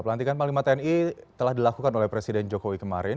pelantikan panglima tni telah dilakukan oleh presiden jokowi kemarin